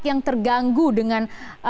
yang terganggu dengan